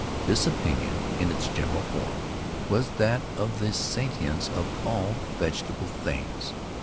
This opinion, in its general form, was that of the sentience of all vegetable things.